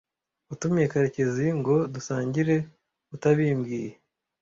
Watumiye Karekezi ngo dusangire utabimbwiye?